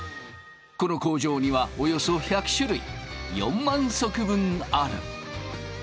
この工場にはおよそ１００種類４万足分ある。